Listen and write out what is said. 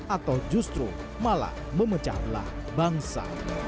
atau justru malah memecahlah bangsa